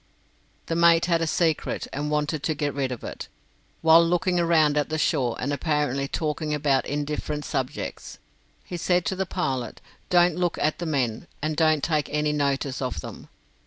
The mate had a secret and wanted to get rid of it. While looking round at the shore, and apparently talking about indifferent subjects, he said to the pilot: "Don't look at the men, and don't take any notice of them.